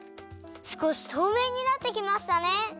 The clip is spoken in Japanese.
すこしとうめいになってきましたね！